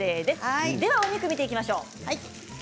ではお肉を見ていきましょう。